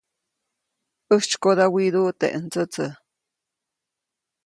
ʼÄjtsykoda widuʼu teʼ ndsätsä.